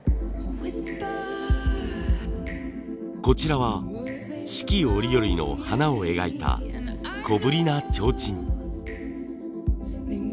こちらは四季折々の花を描いた小ぶりなちょうちん。